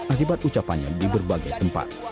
akibat ucapannya di berbagai tempat